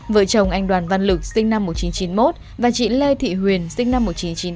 vợ chồng anh đoàn văn lực sinh năm một nghìn chín trăm chín mươi một và chị lê thị huyền sinh năm một nghìn chín trăm chín mươi